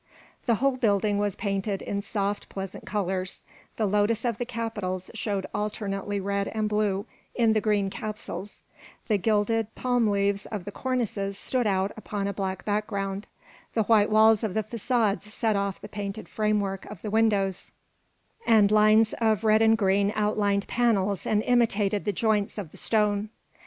The whole building was painted in soft, pleasant colours; the lotus of the capitals showed alternately red and blue in the green capsules; the gilded palm leaves of the cornices stood out upon a blue background; the white walls of the façades set off the painted framework of the windows, and lines of red and green outlined panels and imitated the joints of the stone.